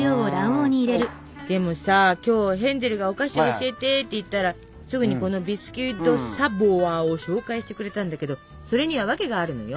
でもさ今日ヘンゼルがお菓子教えてって言ったらすぐにこのビスキュイ・ド・サヴォワを紹介してくれたんだけどそれにはワケがあるのよ。